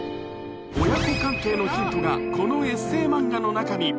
親子関係のヒントが、このエッセイ漫画の中に。